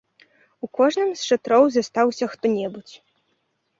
У кожным з шатроў застаўся хто-небудзь.